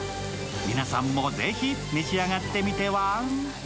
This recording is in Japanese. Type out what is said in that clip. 皆さんもぜひ召し上がってみては？